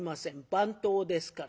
番頭ですから」。